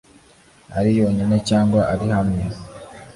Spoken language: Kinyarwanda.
ari yonyine cyangwa ari hamwe